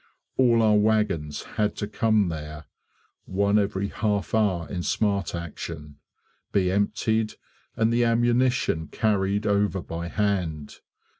All our own wagons had to come there (one every half hour in smart action), be emptied, and the ammunition carried over by hand.